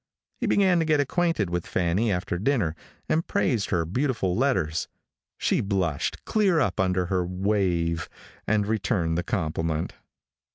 He began to get acquainted with Fanny after dinner, and praised her beautiful letters. She blushed clear up under her "wave," and returned the compliment.